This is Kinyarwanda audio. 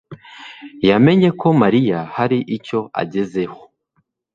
yamenye ko Mariya hari icyo agezeho.